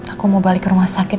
aku mau balik ke rumah sakit